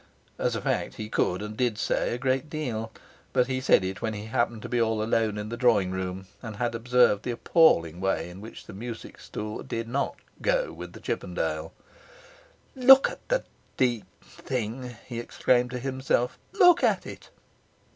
As a fact he could and did say a great deal. But he said it when he happened to be all alone in the drawing room, and had observed the appalling way in which the music stool did not 'go' with the Chippendale. 'Look at the d thing!' he exclaimed to himself. 'Look at it!'